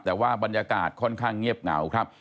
แต่ว่าบรรยากาศค่อนข้างเงียบเหงาครับ